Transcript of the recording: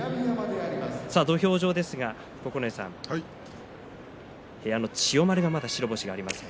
土俵上では部屋の千代丸がまだ白星がありません。